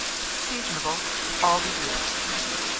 Seasonable all the year.